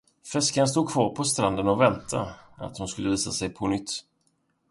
Fiskaren stod kvar på stranden och väntade, att hon skulle visa sig på nytt.